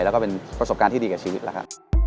แล้วก็เป็นประสบการณ์ที่ดีกับชีวิตแล้วครับ